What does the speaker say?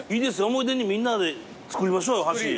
思い出にみんなでつくりましょう箸。